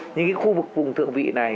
những khu vực vùng thượng vị này